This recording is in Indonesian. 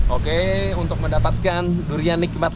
oke untuk mendapatkan durian nikmat